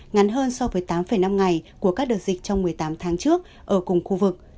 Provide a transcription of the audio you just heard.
ngắn hơn so với tám năm ngày của các đợt dịch trong một mươi tám tháng trước ở cùng khu vực